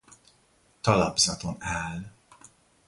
Talapzaton áll.